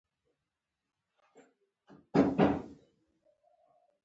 زه خو داسې فکر نه کوم، اوه رښتیا وایم.